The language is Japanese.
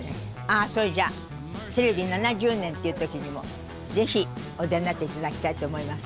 あそれじゃあテレビ７０年という時にもぜひおいでになって頂きたいと思います。